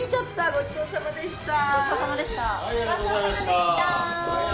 ごちそうさまでした。